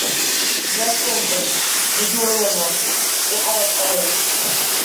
Абжьас ҿумҭын, зегьы урыламлан, иҟалаз ҟалеит.